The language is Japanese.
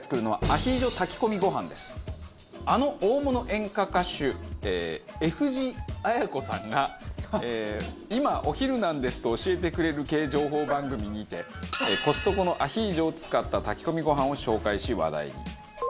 あの大物演歌歌手Ｆじあや子さんが「今お昼なんです」と教えてくれる系情報番組にてコストコのアヒージョを使った炊き込みご飯を紹介し話題に。